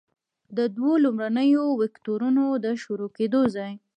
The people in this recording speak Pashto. د دوو لومړنیو وکتورونو د شروع کیدو ځای.